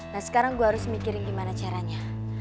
nah sekarang gue harus mikirin gimana caranya